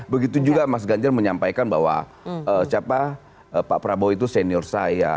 begitu juga mas ganjar menyampaikan bahwa pak prabowo itu senior saya